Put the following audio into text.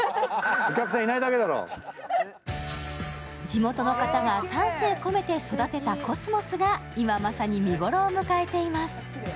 地元の方が丹精込めて育てたコスモスが、今、まさに見頃を迎えています。